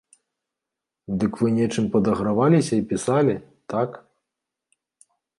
Дык вы нечым падаграваліся і пісалі, так?